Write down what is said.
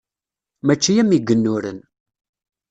Mačči am yigennuren.